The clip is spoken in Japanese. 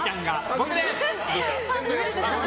僕です！